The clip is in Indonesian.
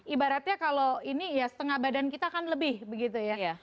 ibaratnya kalau ini ya setengah badan kita kan lebih begitu ya